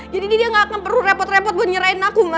jadi dia nggak akan perlu repot repot buat nyerahin aku ma